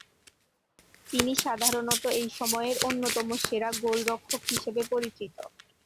তিনি সাধারণত এই সময়ের অন্যতম সেরা গোলরক্ষক হিসেবে পরিচিত।